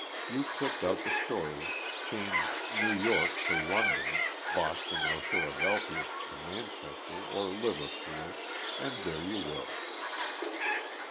You clipped out the story; changed New York to London; Boston or Philadelphia to Manchester or Liverpool, and there you were.